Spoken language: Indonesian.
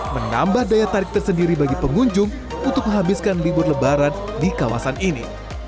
menambah daya tarik tersendiri bagi pengunjung untuk menghabiskan libur lebaran di kawasan ini